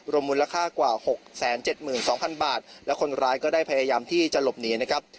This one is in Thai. รวมมูลค่ากว่าหกแสนเจ็ดหมื่นสองพันบาทแล้วคนร้ายก็ได้พยายามที่จะหลบหนีนะครับ